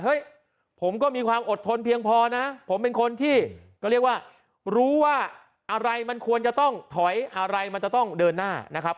ผมก็มีความอดทนเพียงพอนะผมเป็นคนที่ก็เรียกว่ารู้ว่าอะไรมันควรจะต้องถอยอะไรมันจะต้องเดินหน้านะครับ